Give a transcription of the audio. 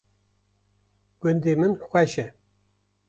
gundê min xweş e